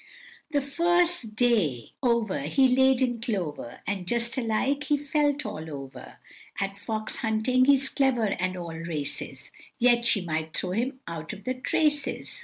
The first day over he laid in clover, And just alike he felt all over; At fox hunting he's clever and all races, Yet she might throw him out of the traces.